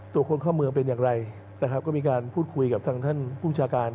คนเข้าเมืองเป็นอย่างไรนะครับก็มีการพูดคุยกับทางท่านภูมิชาการ